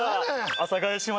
阿佐ヶ谷姉妹？